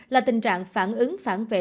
là tình trạng phản ứng phản vệ